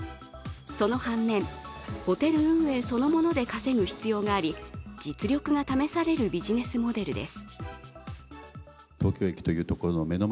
その反面、ホテル運営そのもので稼ぐ必要があり、実力が試されるビジネスモデルです。